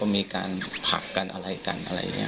มีการผลักกันอะไรกัน